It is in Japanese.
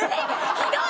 ひどい！